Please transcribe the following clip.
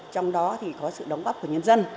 trong đó thì có sự đóng góp của nhân dân